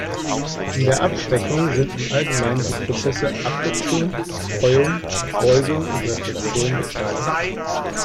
An der Abschwächung sind im Allgemeinen die Prozesse Absorption, Streuung, Beugung und Reflexion beteiligt.